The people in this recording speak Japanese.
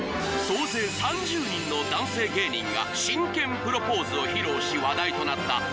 総勢３０人の男性芸人が真剣プロポーズを披露し話題となった